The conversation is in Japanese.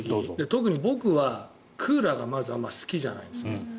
特に僕はクーラーがあまり好きじゃないんです。